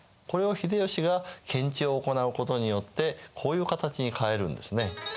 これを秀吉が検地を行うことによってこういう形に変えるんですね。